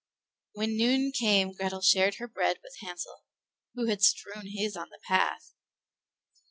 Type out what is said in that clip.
When noon came Grethel shared her bread with Hansel, who had strewn his on the path.